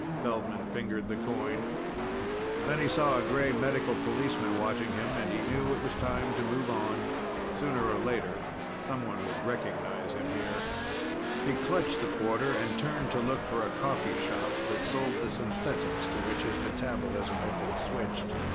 Feldman fingered the coin. Then he saw a gray Medical policeman watching him, and he knew it was time to move on. Sooner or later, someone would recognize him here. He clutched the quarter and turned to look for a coffee shop that sold the synthetics to which his metabolism had been switched.